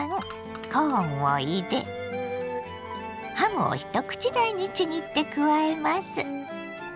コーンを入れハムを一口大にちぎって加えます。